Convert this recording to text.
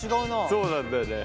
そうなんだよね。